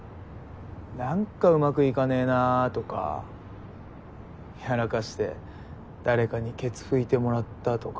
何かうまくいかねぇなとかやらかして誰かにけつ拭いてもらったとか。